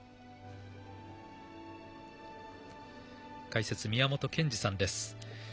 解説、宮本賢二さんです。